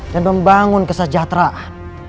dan membangun kesejahteraan